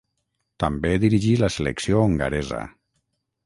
També dirigí la selecció hongaresa.